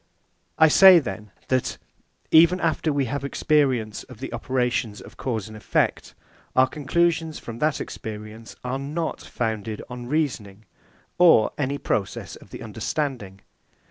I say then, that, even after we have experience of the operations of cause and effect, our conclusions from that experience are not founded on reasoning, or any process of the understanding.